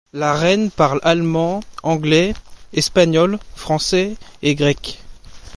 La reine parle allemand, anglais, espagnol, français et grec.